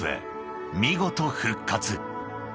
［見事復活］